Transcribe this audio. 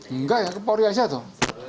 enggak ya ke polri aja dong